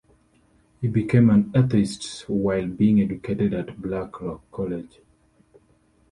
He became an atheist while being educated at Blackrock College.